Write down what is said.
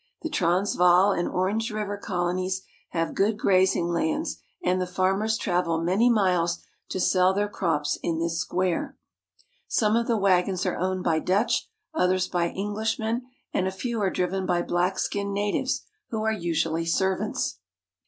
The Transvaal and Orange River colonies have good grazing lands, and the farmers travel many miles to sell their crops in this square. Some of the wagons are owned by Dutch, others by English 1 jH^ men, and a few arc diivuii by bl;n.k. skiaiicd natives who I 'are usually servants.